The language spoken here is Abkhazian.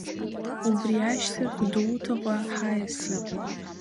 Убри ашьҭахь Гәдоуҭаҟа ҳаиасит.